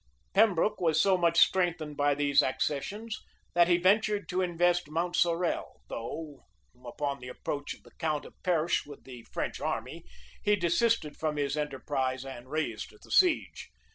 Pembroke was so much strengthened by these accessions, that he ventured to invest Mount Sorel; though, upon the approach of the count of Perche with the French army, he desisted from his enterprise, and raised the siege.